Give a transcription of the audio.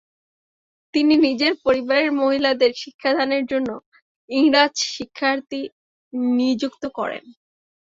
তিনি নিজের পরিবারের মহিলাদের শিক্ষাদানের জন্য ইংরাজ শিক্ষয়িত্রী নিযুক্ত করেন।